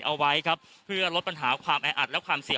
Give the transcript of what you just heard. เอาไว้ครับเพื่อลดปัญหาความแออัดและความเสีย